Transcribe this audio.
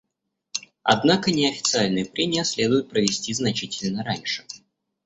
Однако неофициальные прения следует провести значительно раньше.